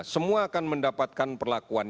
semua akan mendapatkan perlakuan